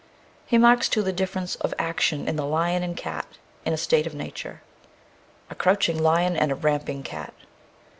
He marks, too, the difference of action in the lion and cat, in a state of nature: A crouching lion and a ramping cat.